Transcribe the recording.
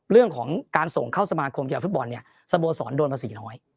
เรื่องของการส่งเข้าสมาคมกีฬาฟุตบอลเนี่ยสโบสอลโดนประสิทธิ์